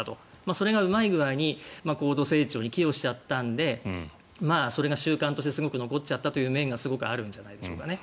それがうまい具合に高度成長に寄与しちゃったのでそれが習慣として残っちゃったという面があるんじゃないでしょうかね。